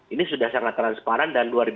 saya kira ini sudah sangat transparan dan luar biasa